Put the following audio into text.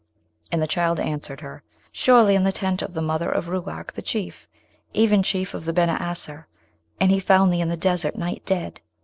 And the child answered her, 'Surely in the tent of the mother of Ruark, the chief, even chief of the Beni Asser, and he found thee in the desert, nigh dead.